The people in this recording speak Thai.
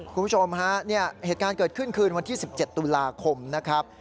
คุณผู้ชมฮะเนี่ยเหตุการณ์เกิดขึ้นคืนวันที่๑๗ตุลาคมนะครับ